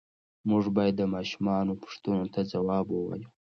موږ باید د ماشومانو پوښتنو ته ځواب ووایو.